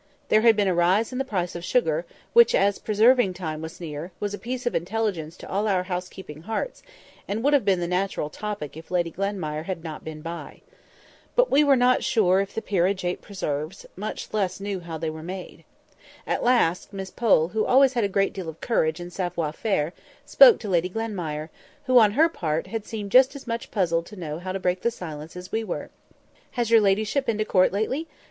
There had been a rise in the price of sugar, which, as preserving time was near, was a piece of intelligence to all our house keeping hearts, and would have been the natural topic if Lady Glenmire had not been by. But we were not sure if the peerage ate preserves—much less knew how they were made. At last, Miss Pole, who had always a great deal of courage and savoir faire, spoke to Lady Glenmire, who on her part had seemed just as much puzzled to know how to break the silence as we were. "Has your ladyship been to Court lately?"